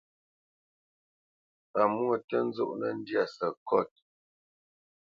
Pamwô tǝ́ nzɔnǝ́ ndyâ sǝkôt.